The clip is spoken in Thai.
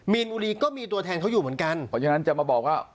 มีนบุรีก็มีตัวแทนเขาอยู่เหมือนกันเพราะฉะนั้นจะมาบอกว่า